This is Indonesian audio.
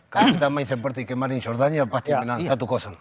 kalau kita main seperti kemarin sortanya pasti menang satu